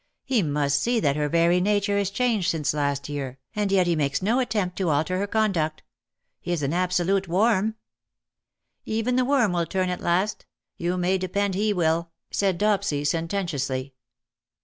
He must see that her very nature is changed since last year, and yet he makes no attempt to alter her conduct. He is an absolute worm.'' " Even the worm will turn at last. You may depend he will/' said Dopsy sententiously.